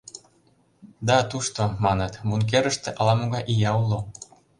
— Да тушто, — маныт, — бункерыште, ала-могай ия уло...